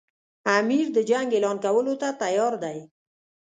امیر د جنګ اعلان کولو ته تیار دی.